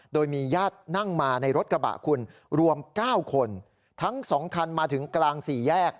โดยมีญาตินั่งมาในรถกระบะคุณรวม๙คนทั้งสองคันมาถึงกลางสี่แยก